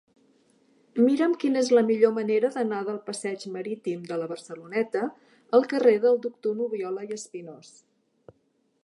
Mira'm quina és la millor manera d'anar del passeig Marítim de la Barceloneta al carrer del Doctor Nubiola i Espinós.